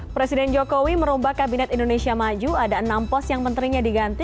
presiden jokowi merombak kabinet indonesia maju ada enam pos yang menterinya diganti